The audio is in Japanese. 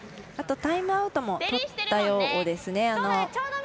あと、タイムアウトもとったようですね。